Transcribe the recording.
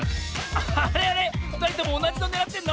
あれあれ⁉ふたりともおなじのねらってるの？